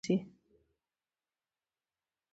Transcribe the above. پښتو ژبه باید نړیوالو ته ور وپیژندل سي.